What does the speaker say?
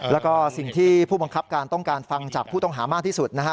แล้วก็สิ่งที่ผู้บังคับการต้องการฟังจากผู้ต้องหามากที่สุดนะฮะ